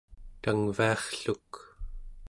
tangviarrluk